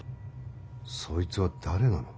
そいつは誰なの？